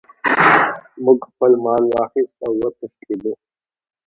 موږ خپل مال واخیست او وتښتیدو.